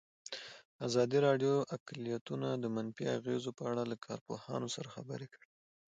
ازادي راډیو د اقلیتونه د منفي اغېزو په اړه له کارپوهانو سره خبرې کړي.